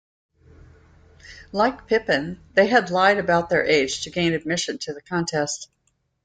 Like Pippin, they had lied about their age to gain admission to the contest.